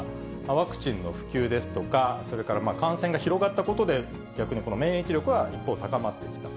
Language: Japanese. ワクチンの普及ですとか、それから感染が広がったことで、逆にこの免疫力が、一方、高まってきた。